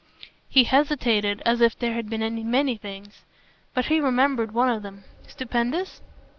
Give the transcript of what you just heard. He hesitated as if there had been many things. But he remembered one of them. "Stupendous?"